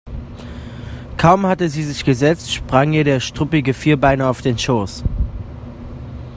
Kaum hatte sie sich gesetzt, sprang ihr der struppige Vierbeiner auf den Schoß.